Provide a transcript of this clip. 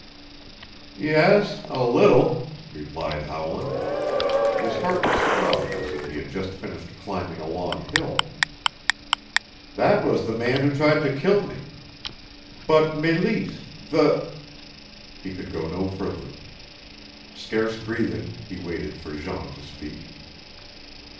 "Yes, a little," replied Howland. His heart was throbbing as if he had just finished climbing a long hill. "That was the man who tried to kill me. But Meleese the " He could go no further. Scarce breathing, he waited for Jean to speak.